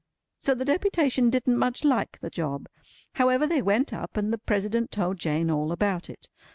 So the deputation didn't much like the job. However, they went up, and the President told Jane all about it.